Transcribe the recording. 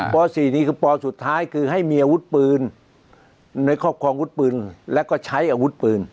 ป๔นี่คือปสุดท้ายคือให้มีอาวุธปืนในครอบครองวุฒิปืนแล้วก็ใช้อาวุธปืน